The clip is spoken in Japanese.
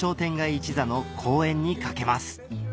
一座の公演に懸けます